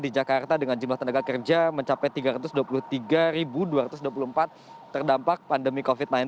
di jakarta dengan jumlah tenaga kerja mencapai tiga ratus dua puluh tiga dua ratus dua puluh empat terdampak pandemi covid sembilan belas